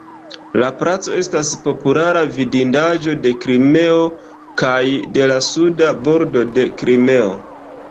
La palaco estas populara vidindaĵo de Krimeo kaj de la Suda Bordo de Krimeo.